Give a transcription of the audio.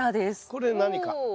これ何か？